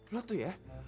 lo tuh ya